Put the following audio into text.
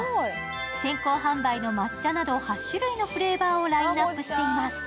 先行販売の抹茶など８種類のフレーバーをラインナップしています。